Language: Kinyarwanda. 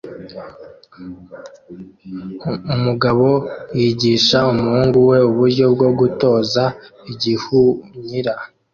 Umugabo yigisha umuhungu we uburyo bwo gutoza igihunyira